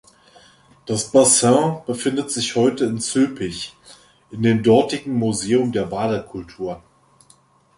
Das Bassin befindet sich heute in Zülpich, in dem dortigen Museum der Badekultur.